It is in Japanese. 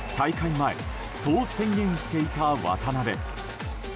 前、そう宣言していた渡邊。